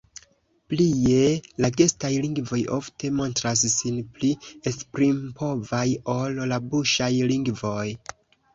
Plie, la gestaj lingvoj ofte montras sin pli esprimpovaj ol la buŝaj lingvoj.